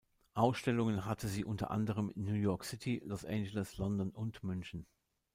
Ausstellungen hatte sie unter anderem in New York City, Los Angeles, London und München.